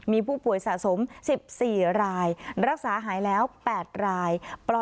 มีผู้ป่วยสะสม๑๔รายรักษาหายแล้ว๘ราย